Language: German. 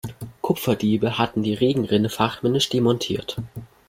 Kupferdiebe hatten die Regenrinne fachmännisch demontiert.